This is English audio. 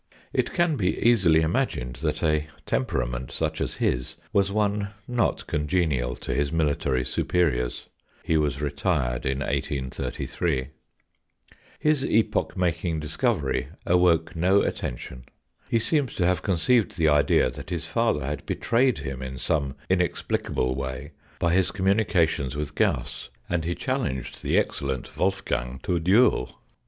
It can be easily imagined that a temperament such as his was one not congenial to his military superiors. He was retired in 1833. His epoch making discovery awoke no attention. He seems to have conceived the idea that his father had betrayed him in some inexplicable way by his communi cations with Gauss, and he challenged the excellent Wolfgang to a duel.